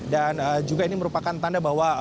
dan juga ini merupakan tanda bahwa